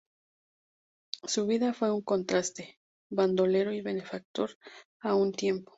Su vida fue un contraste, bandolero y benefactor a un tiempo.